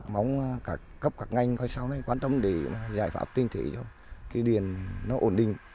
móng cấp các ngành coi sao quan tâm để giải pháp tinh thị cho cái điện nó ổn định